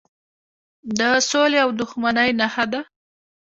د سولې او دوستۍ نښه ده.